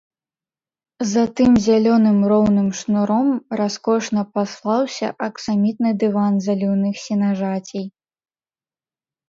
За тым зялёным роўным шнуром раскошна паслаўся аксамітны дыван заліўных сенажацей.